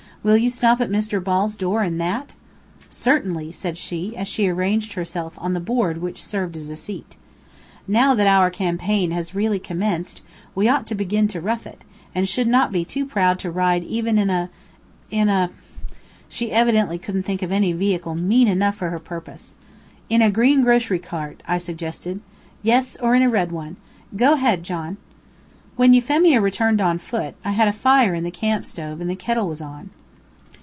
"Will you stop at Mr. Ball's door in that?" "Certainly," said she, as she arranged herself on the board which served as a seat. "Now that our campaign has really commenced, we ought to begin to rough it, and should not be too proud to ride even in a in a " She evidently couldn't think of any vehicle mean enough for her purpose. "In a green grocery cart," I suggested. "Yes, or in a red one. Go ahead, John." When Euphemia returned on foot, I had a fire in the camp stove and the kettle was on.